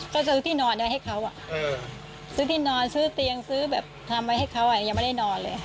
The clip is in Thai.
ก็ซื้อที่นอนอะไรให้เขาซื้อที่นอนซื้อเตียงซื้อแบบทำไว้ให้เขายังไม่ได้นอนเลย